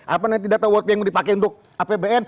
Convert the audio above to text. apa nanti data world yang dipakai untuk apbn